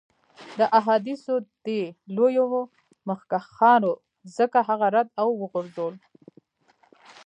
د احادیثو دې لویو مخکښانو ځکه هغه رد او وغورځول.